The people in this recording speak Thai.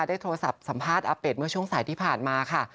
ได้โทรศัพท์สัมภาษณ์อาเป็ดเมื่อช่วงสายที่ผ่านมาค่ะ